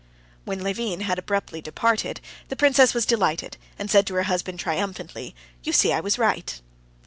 When Levin had abruptly departed, the princess was delighted, and said to her husband triumphantly: "You see I was right."